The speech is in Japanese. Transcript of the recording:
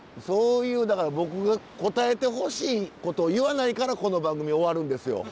そういうだから僕が答えてほしいことを言わないからこの番組終わるんですよ。